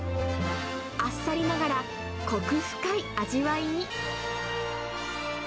あっさりながらこく深い味わいに。